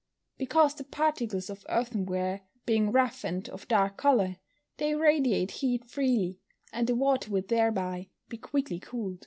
_ Because the particles of earthenware being rough, and of dark colour, they radiate heat freely, and the water would thereby be quickly cooled.